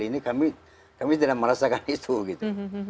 ini kami tidak merasakan itu gitu